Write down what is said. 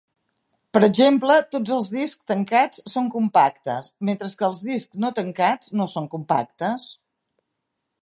Per exemple, tots els discs tancats són compactes, mentre que els discs no tancats no són compactes.